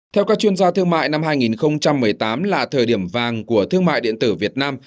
theo các chuyên gia thương mại năm hai nghìn một mươi tám là thời điểm vàng của thương mại điện tử việt nam